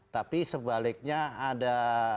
tapi sebaliknya ada